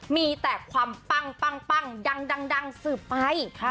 มีแต่ความปังปังปังดังดังดังสืบไป